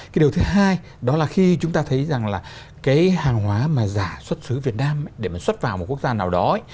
cái điều thứ hai đó là khi chúng ta thấy rằng là cái hàng hóa mà giả xuất xứ việt nam để mà xuất vào một quốc gia nào đó